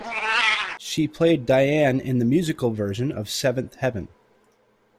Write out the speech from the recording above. She played Diane in the musical version of "Seventh Heaven".